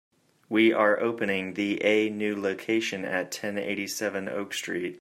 We are opening the a new location at ten eighty-seven Oak Street.